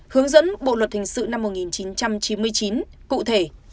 hướng dẫn bộ luật hình sự năm một nghìn chín trăm chín mươi chín cụ thể